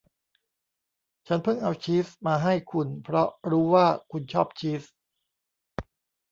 ฉันเพิ่งเอาชีสมาให้คุณเพราะรู้ว่าคุณชอบชีส